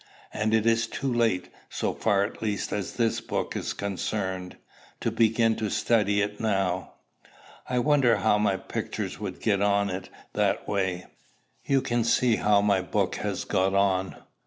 And it is too late, so far at least as this book is concerned, to begin to study it now." "I wonder how my pictures would get on in that way." "You can see how my book has got on.